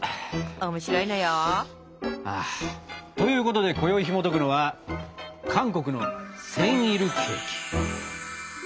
面白いのよ。ということでこよいひもとくのは「韓国のセンイルケーキ」。